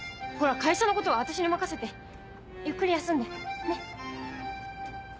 ほら会社のことは私に任せてゆっくり休んでねっ。